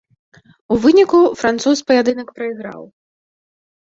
У выніку, француз паядынак прайграў.